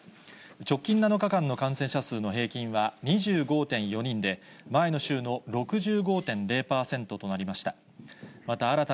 直近７日間の感染者数の平均は２５．４人で、前の週の６５．０％となりました。